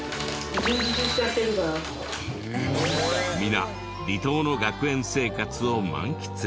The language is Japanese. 皆離島の学園生活を満喫。